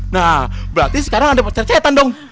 nah berarti sekarang ada pasar setan dong